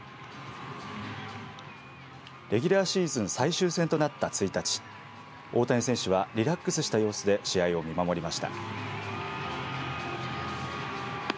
レギュラーシーズン最終戦となった１日大谷選手はリラックスした様子で試合を見守りました。